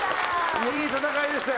いやいい戦いでしたよ。